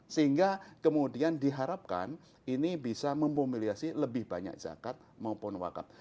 sehingga kemudian diharapkan ini bisa memomiliasi lebih banyak zakat maupun wakaf